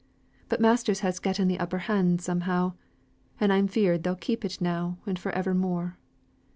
But masters has getten th' upper hand somehow; and I'm feared they'll keep it now and evermore.